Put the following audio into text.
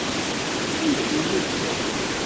Amek yemmug Tom?